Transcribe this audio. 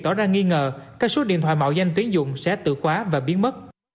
đó ra nghi ngờ các số điện thoại mạo danh tuyển dụng sẽ tự khóa và biến mất